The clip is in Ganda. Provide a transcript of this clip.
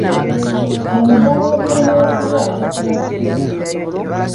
Omudaala gw'ebyokulya gukola ssente.